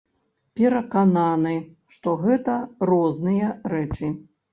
Перакананы, што гэта розныя рэчы.